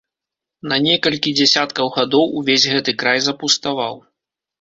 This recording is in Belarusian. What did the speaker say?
На некалькі дзясяткаў гадоў увесь гэты край запуставаў.